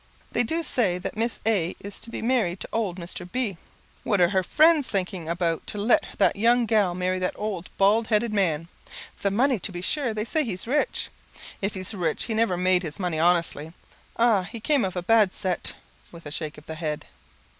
They do say that Miss A is to be married to old Mister B ." "What are her friends thinking about to let that young gal marry that old bald headed man?" "The money to be sure they say he's rich." "If he's rich, he never made his money honestly." "Ah, he came of a bad set," with a shake of the head.